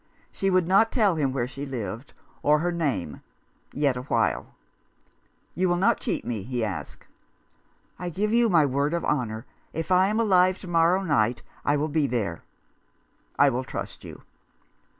She would not tell him where she lived, or her name, yet awhile. " You will not cheat me ?" he asked. " I give you my word of honour, if I am alive to morrow night I will be there." " I will trust you."